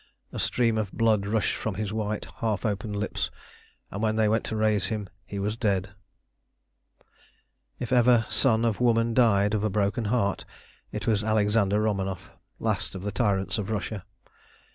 A stream of blood rushed from his white, half open lips, and when they went to raise him he was dead. If ever son of woman died of a broken heart it was Alexander Romanoff, last of the tyrants of Russia.